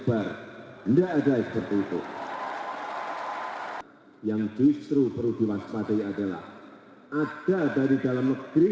ada dari dalam negeri